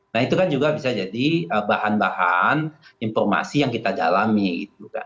nah itu kan juga bisa jadi bahan bahan informasi yang kita dalami gitu kan